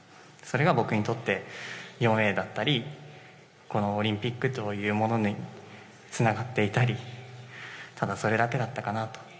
それが僕にとって４Ａだったりオリンピックというものにつながっていたりただそれだけだったかなと。